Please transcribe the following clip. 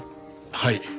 はい。